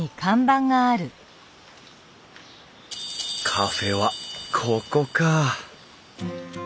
カフェはここか。